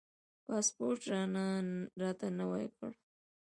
پاسپورټ راته نوی کړ.